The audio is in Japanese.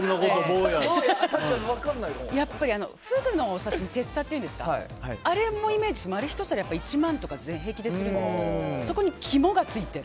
フグのお刺し身てっさっていうんですかあれもイメージしてひと皿１万円とか平気でするのでそこに肝がついてる。